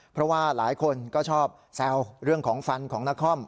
เพราะว่าหลายคนก็ชอบแซวเรื่องของฟันของนคร